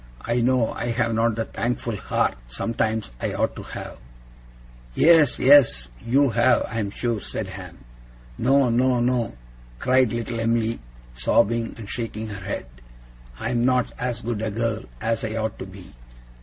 I know I have not the thankful heart, sometimes, I ought to have!' 'Yes, yes, you have, I'm sure,' said Ham. 'No! no! no!' cried little Em'ly, sobbing, and shaking her head. 'I am not as good a girl as I ought to be.